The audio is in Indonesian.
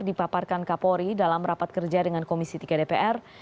dipaparkan kapolri dalam rapat kerja dengan komisi tiga dpr